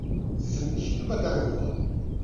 Sie sind nicht übergangen worden.